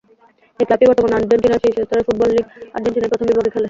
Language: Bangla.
এই ক্লাবটি বর্তমানে আর্জেন্টিনার শীর্ষ স্তরের ফুটবল লীগ আর্জেন্টিনীয় প্রথম বিভাগে খেলে।